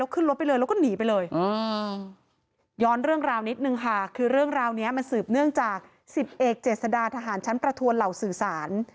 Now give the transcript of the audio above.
คือเรื่องราวนี้มันสืบเนื่องจาก๑๐เอกเจษฎาทหารชั้นประทัวนเหล่าสื่อสาร